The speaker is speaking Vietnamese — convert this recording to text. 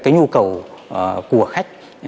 nhu cầu của khách